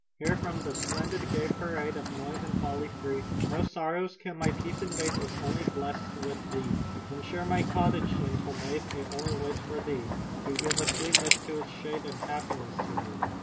"Here from the splendid, gay parade Of noise and folly free No sorrows can my peace invade If only blessed with thee. "Then share my cottage, gentle maid, It only waits for thee To give a sweetness to its shade And happiness to me."